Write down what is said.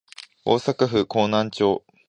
大阪府河南町